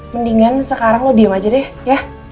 mendingan sekarang mau diem aja deh ya